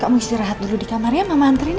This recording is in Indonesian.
kamu istirahat dulu di kamar ya mama anterin ya